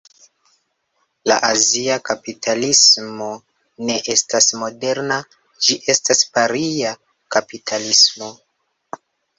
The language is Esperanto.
La azia kapitalismo ne estas moderna, ĝi estas paria kapitalismo.